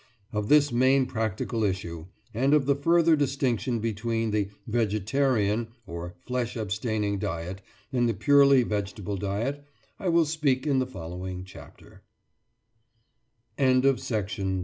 Of this main practical issue, and of the further distinction between the "vegetarian" or flesh abstaining diet and the purely vegetable diet, I will speak in the followin